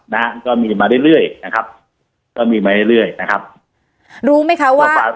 นะฮะก็มีมาเรื่อยเรื่อยนะครับก็มีมาเรื่อยเรื่อยนะครับรู้ไหมคะว่า